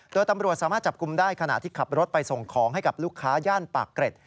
โดยตำรวจสามารถจับกลุ่มได้ขณะที่ขับรถไปส่งของให้กับลูกค้าย่านปากเกร็ด